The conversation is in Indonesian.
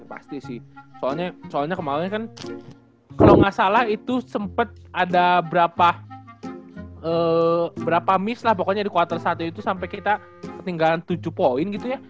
ya pasti sih soalnya soalnya kemarin kan kalo ga salah itu sempet ada berapa miss lah pokoknya di quarter satu itu sampe kita ketinggalan tujuh poin gitu ya